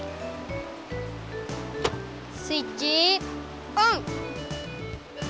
スイッチオン！